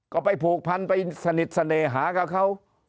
ก็ไปผูกพันไปสนิทเสน่หากับเขา